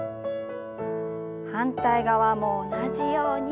反対側も同じように。